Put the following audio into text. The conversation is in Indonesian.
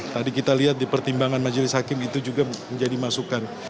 tadi kita lihat di pertimbangan majelis hakim itu juga menjadi masukan